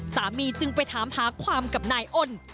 จึงไปถามหาความกับนายอ้น